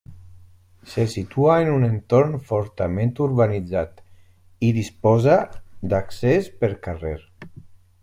Se situa en un entorn fortament urbanitzat i disposa d'accés per carrer.